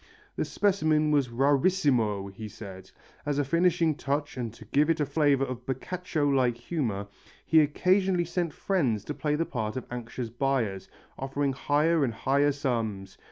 The specimen was rarissimo, he said. As a finishing touch and to give it a flavour of Boccaccio like humour, he occasionally sent friends to play the part of anxious buyers, offering higher and higher sums.